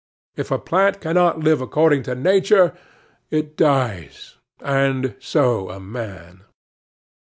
If a plant cannot live according to its nature, it dies; and so a man.